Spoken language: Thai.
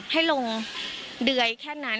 ให้ลงเดือยแค่นั้น